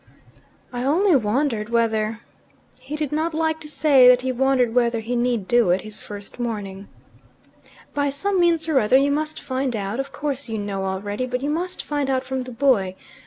"I only wondered whether " He did not like to say that he wondered whether he need do it his first morning. "By some means or other you must find out of course you know already, but you must find out from the boy.